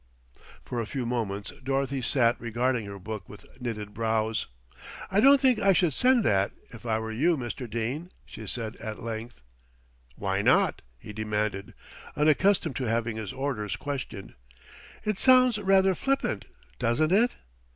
For a few moments Dorothy sat regarding her book with knitted brows. "I don't think I should send that, if I were you, Mr. Dene," she said at length. "Why not?" he demanded, unaccustomed to having his orders questioned. "It sounds rather flippant, doesn't it?"